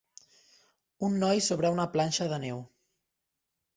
Un noi sobre una planxa de neu